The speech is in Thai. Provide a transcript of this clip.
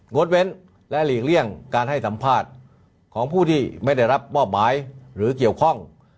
ดเว้นและหลีกเลี่ยงการให้สัมภาษณ์ของผู้ที่ไม่ได้รับมอบหมายหรือเกี่ยวข้อง